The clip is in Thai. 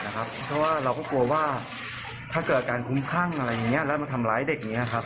เพราะว่าเราก็กลัวว่าถ้าเกิดอาการคุ้มคลั่งอะไรอย่างนี้แล้วมาทำร้ายเด็กอย่างนี้ครับ